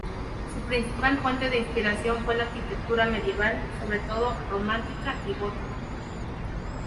Su principal fuente de inspiración fue la arquitectura medieval, sobre todo románica y gótica.